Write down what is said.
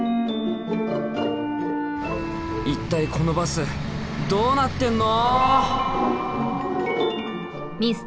一体このバスどうなってんの！